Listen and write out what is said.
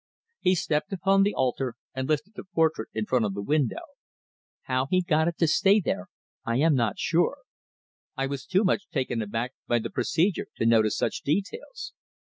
He stepped upon the altar, and lifted the portrait in front of the window. How he got it to stay there I am not sure I was too much taken aback by the procedure to notice such details.